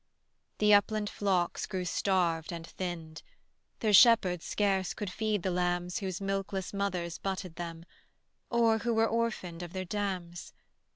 The upland flocks grew starved and thinned: Their shepherds scarce could feed the lambs Whose milkless mothers butted them, Or who were orphaned of their dams.